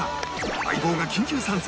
『相棒』が緊急参戦！